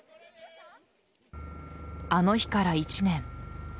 あの日から１年。